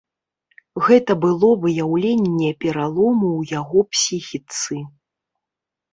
Гэта было выяўленне пералому ў яго псіхіцы.